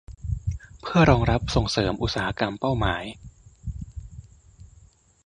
เพื่อรองรับส่งเสริมอุตสาหกรรมเป้าหมาย